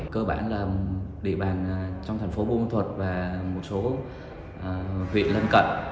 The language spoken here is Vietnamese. cơ bản là địa bàn trong thành phố buôn ma thuật và một số huyện lân cận